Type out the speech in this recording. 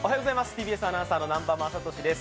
ＴＢＳアナウンサーの南波雅俊です。